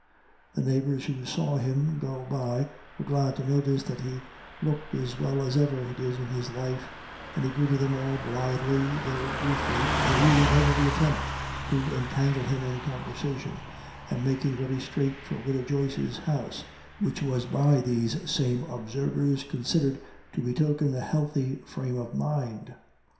The neighbours who saw him go by were glad to notice that he looked as well as ever he did in his life, and he greeted them all blithely though briefly, eluding every attempt to entangle him in conversation, and making very straight for the Widow Joyce's house, which was by these same observers considered to betoken a healthy frame of mind.